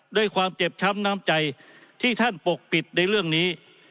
ด้วยความเจ็บช้ำน้ำใจที่ท่านปกปิดในเรื่องนี้